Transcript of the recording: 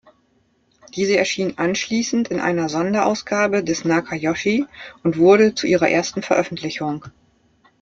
Diese erschien anschließend in einer Sonderausgabe des "Nakayoshi" und wurde zu ihrer ersten Veröffentlichung.